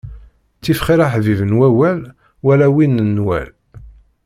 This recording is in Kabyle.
Ttif xir aḥbib n wawal wala win n nnwal!